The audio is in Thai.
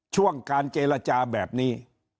ช่วงการเจรจาแบบนี้